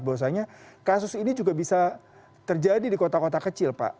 bahwasanya kasus ini juga bisa terjadi di kota kota kecil pak